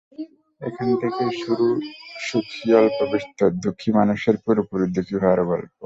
ওখান থেকেই শুরু- সুখী, অল্পবিস্তর দুঃখী মানুষের পুরোপুরি দুঃখী হওয়ার গল্প।